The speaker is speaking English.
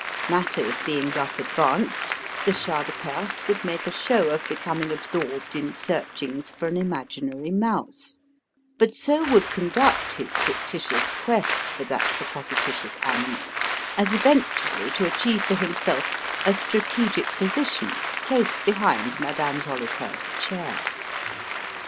Matters being thus advanced, the Shah de Perse would make a show of becoming absorbed in searchings for an imaginary mouse but so would conduct his fictitious quest for that supposititious animal as eventually to achieve for himself a strategic position close behind Madame Jolicoeur's chair.